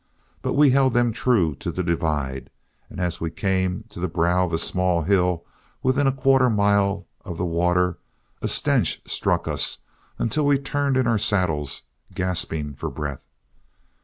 But we held them true to the divide, and as we came to the brow of a small hill within a quarter mile of the water, a stench struck us until we turned in our saddles, gasping for breath.